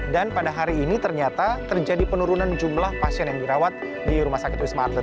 dan pada hari ini ternyata terjadi penurunan jumlah pasien yang dirawat di rumah sakit wisma atlet